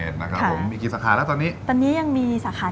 ตอนนี้คราวใบี่ที่๔เมื่อเดือนเมษายน